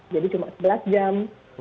jadi cuma sebelas jam